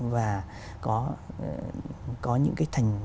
và có những cái thành